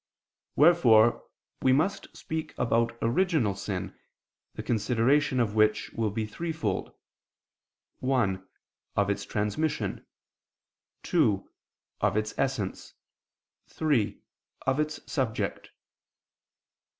Wherefore we must speak about original sin, the consideration of which will be three fold: (1) Of its transmission; (2) of its essence; (3) of its subject.